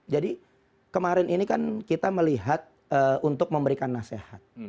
jadi kemarin ini kan kita melihat untuk memberikan nasihat